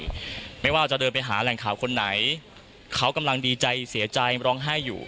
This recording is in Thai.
ไม่ว่าจะเดินไปหาแหล่งข่าวคนไหนเขากำลังดีใจเสียใจร้องไห้อยู่